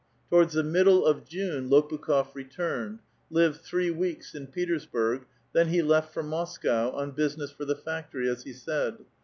Towards the middle of June Lopukh6f returned ; lived three weeks in Petersburg, t^iieii he left for Moscow, on business for the factory, as he ^nid.